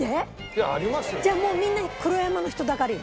じゃあもうみんな黒山の人だかり？